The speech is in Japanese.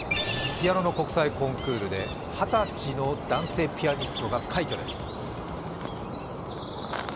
ピアノの国際コンクールで二十歳の男性ピアニストが快挙です。